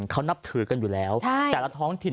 เขานับถือกันอยู่แล้วแต่ละท้องถิ่น